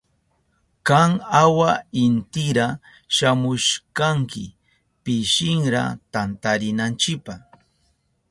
Kan awa intira shamushkanki pishinra tantarinanchipa.